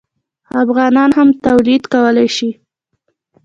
افغانان هم تولید کولی شي.